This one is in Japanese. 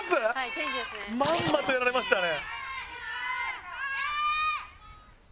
まんまとやられましたね。